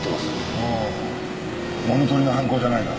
ああ物盗りの犯行じゃないな。